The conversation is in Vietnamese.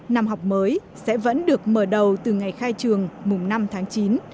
năm học mới sẽ vẫn được mở đầu từ ngày khai trường mùng năm tháng chín